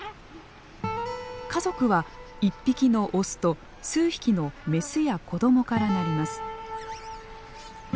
家族は１匹のオスと数匹のメスや子どもから成ります。